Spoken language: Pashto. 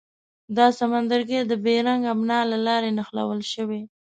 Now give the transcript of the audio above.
دا سمندرګي د بیرنګ ابنا له لارې نښلول شوي.